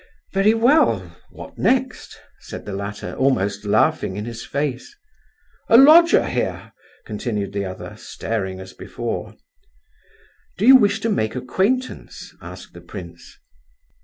"Very well, what next?" said the latter, almost laughing in his face. "A lodger here," continued the other, staring as before. "Do you wish to make acquaintance?" asked the prince.